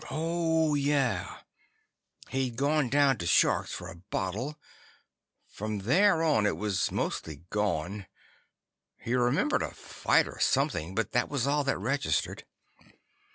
Oh, yeah. He'd gone to the Shark's for a bottle. From there on, it was mostly gone. He remembered a fight or something, but that was all that registered.